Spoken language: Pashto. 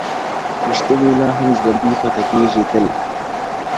پوښتني لا هم ژوندۍ پاتې کيږي تل,